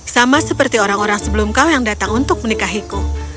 sama seperti orang orang sebelum kau yang datang untuk menikahiku